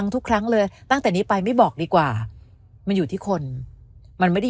ทุกครั้งเลยตั้งแต่นี้ไปไม่บอกดีกว่ามันอยู่ที่คนมันไม่ได้